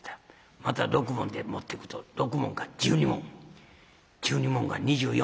また６文で持ってくと６文が１２文１２文が２４。